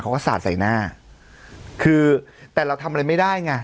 สาดใส่หน้าคือแต่เราทำอะไรไม่ได้ไง